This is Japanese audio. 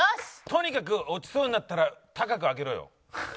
とにかく落ちそうになったら高く上げろよ。